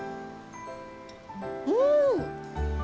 うん！